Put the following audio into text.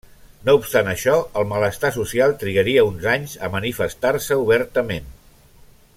No obstant això, el malestar social trigaria uns anys a manifestar-se obertament.